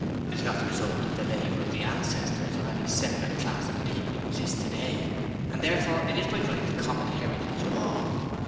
It is not the result of the labour of the ancestors of any separate class of people who exist today, and therefore it is by right the common heritage of all.